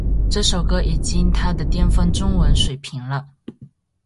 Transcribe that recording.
这首歌已经她的巅峰中文水平了